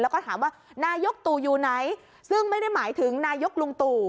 แล้วก็ถามว่านายกตู่อยู่ไหนซึ่งไม่ได้หมายถึงนายกลุงตู่